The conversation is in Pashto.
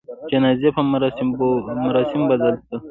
جنازې په مراسموبدل سول.